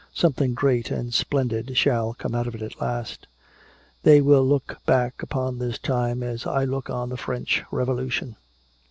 Something great and splendid shall come out of it at last. They will look back upon this time as I look on the French Revolution."